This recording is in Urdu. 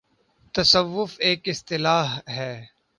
' تصوف‘ ایک اصطلاح ہے۔